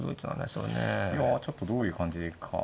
いやちょっとどういう感じで行くか。